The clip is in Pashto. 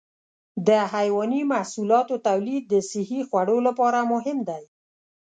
د حيواني محصولاتو تولید د صحي خوړو لپاره مهم دی.